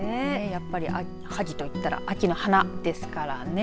やっぱり、はぎと言ったら秋の花ですからね。